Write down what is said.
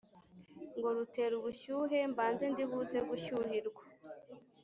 Ngo rutera ubushyuhe mbanze ndibuze gushyuhirwa